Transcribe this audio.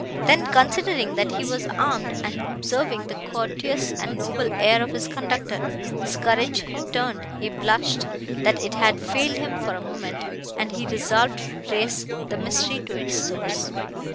Then, considering that he was armed, and observing the courteous and noble air of his conductor, his courage returned, he blushed, that it had failed him for a moment, and he resolved to trace the mystery to its source.